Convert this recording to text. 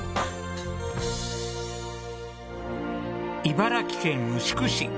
茨城県牛久市。